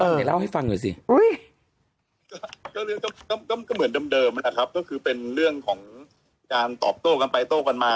ไหนเล่าให้ฟังหน่อยสิก็เรื่องก็เหมือนเดิมนะครับก็คือเป็นเรื่องของการตอบโต้กันไปโต้กันมา